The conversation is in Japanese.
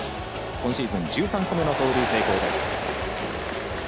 今シーズン、１３個目の盗塁成功です。